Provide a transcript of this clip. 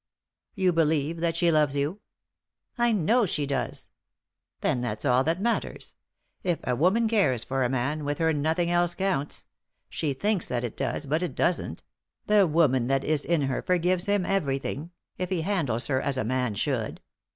" You believe that she loves you." " I know she does," "Then that's all that matters. If a woman cares for a man, with her nothing else counts ; she thinks that it does, but it doesn't ; the woman that is in her forgives him everything — if he handles her as a man should.